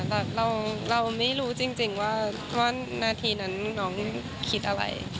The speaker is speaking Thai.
แต่เราไม่รู้จริงว่านาทีนั้นน้องคิดอะไร